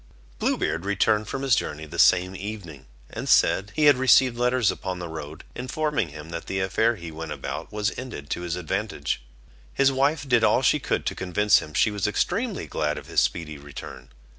Blue Beard returned from his journey the same evening, and said, he had received letters upon the road, informing him that the affair he went about was ended to his advantage. His wife did all she could to convince him she was extremely glad of his speedy return.